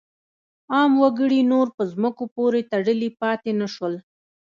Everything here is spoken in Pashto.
عام وګړي نور په ځمکو پورې تړلي پاتې نه شول.